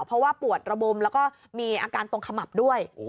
เพราะว่าปวดระบมแล้วก็มีอาการตรงขมับด้วย